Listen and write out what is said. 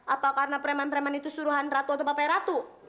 apa karena preman preman itu suruhan ratu atau bapak ratu